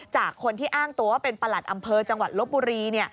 จากคนที่อ้างตัวว่าเป็นประหลัดอำเภอจังหวัดลบบุรี